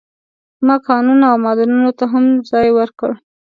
ما کانونو او معادنو ته هم ځای ورکړ.